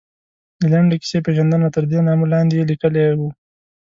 د لنډې کیسې پېژندنه، تردې نامه لاندې یې لیکلي وو.